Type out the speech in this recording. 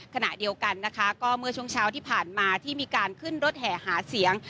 ขณะเดียวกันนะคะก็เมื่อช่วงเช้าที่ผ่านมาที่มีการขึ้นรถแห่หาเสียง